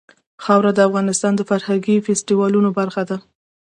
خاوره د افغانستان د فرهنګي فستیوالونو برخه ده.